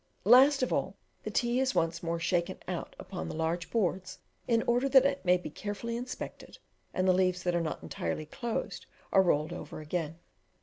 Last of all the tea is once more shaken out upon the large boards, in order that it may be carefully inspected, and the leaves that are not entirely closed are rolled over again.